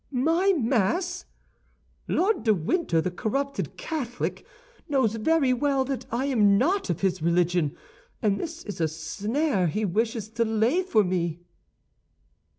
My Mass? Lord de Winter, the corrupted Catholic, knows very well that I am not of his religion, and this is a snare he wishes to lay for me!"